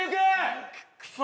くそ。